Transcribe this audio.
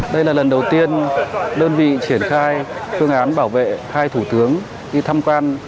đây là lần đầu tiên đơn vị triển khai phương án bảo vệ hai thủ tướng đi tham quan